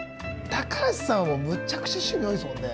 高橋さんもむっちゃくちゃ趣味多いですもんね。